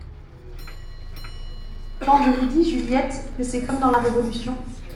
Quand je vous dis, Juliette, que c’est comme dans la révolution.